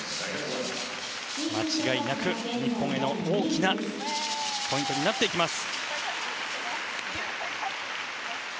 間違いなく日本への大きなポイントになってきます。